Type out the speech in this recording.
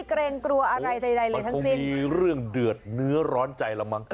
คงมีเรื่องเดือดเนื้อร้อนใจและมั้ง